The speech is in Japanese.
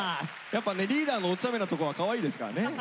やっぱねリーダーのおちゃめなとこはカワイイですからね。